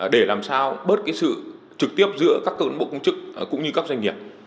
để làm sao bớt cái sự trực tiếp giữa các cơ quan bộ công trực cũng như các doanh nghiệp